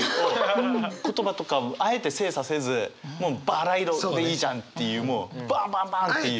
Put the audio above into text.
言葉とかあえて精査せずもう「ばら色」でいいじゃんっていうもうバンバンバンって。